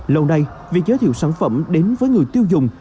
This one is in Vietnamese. lâu nay việc giới thiệu sản phẩm đến với người tiêu dùng